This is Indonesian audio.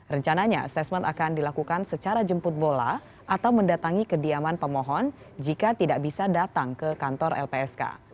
rencananya asesmen akan dilakukan secara jemput bola atau mendatangi kediaman pemohon jika tidak bisa datang ke kantor lpsk